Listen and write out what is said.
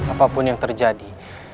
apapun yang terjadi